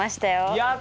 やった！